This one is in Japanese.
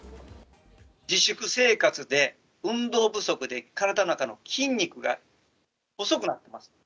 自粛生活で運動不足で、体の中の筋肉が細くなってます。